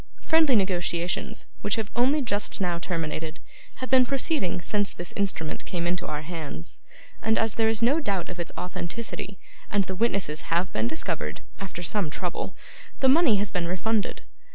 Friendly negotiations, which have only just now terminated, have been proceeding since this instrument came into our hands, and, as there is no doubt of its authenticity, and the witnesses have been discovered (after some trouble), the money has been refunded.